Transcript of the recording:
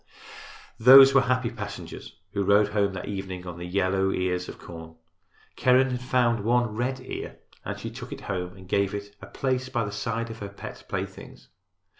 Those were happy passengers who rode home that evening on the yellow ears of corn. Keren had found one red ear and she took it home and gave it a place by the side of her pet playthings.